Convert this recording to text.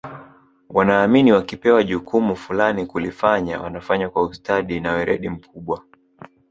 wanaamini wakipewa jukumu fulani kulifanya wanafanya kwa ustadi na weredi mkubwa